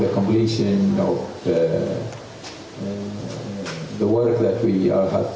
kita mencari penyelesaian